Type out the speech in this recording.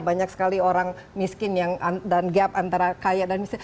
banyak sekali orang miskin yang dan gap antara kaya dan miskin